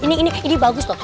ini bagus loh